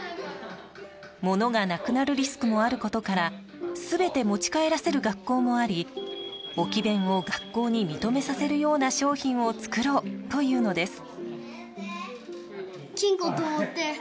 ものがなくなるリスクもあることから全て持ち帰らせる学校もあり置き勉を学校に認めさせるような商品を作ろうというのです。